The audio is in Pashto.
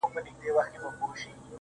مُلا سړی سو په خپل وعظ کي نجلۍ ته ويل~